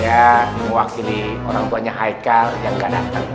ya mewakili orang tuanya haikal yang gak datang